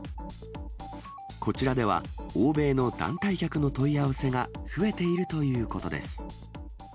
こちらでは、欧米の団体客の問い合わせが増えているということです。